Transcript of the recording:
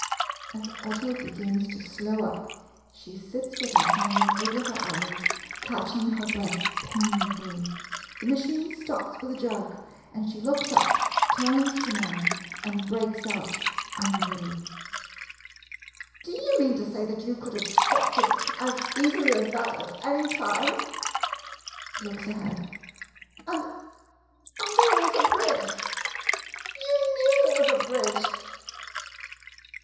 [As auto begins to slow up she sits with her hands over her eyes, catching her breath painfully. The machine stops with a jerk, and she looks up, turns to man, and breaks out angrily.] 6 7 MODERN MONOLOGUES Do you mean to say that you could have stopped it as easily as that at any time ? [Looks ahead. ] And — and there is a bridge. You knew there was a bridge!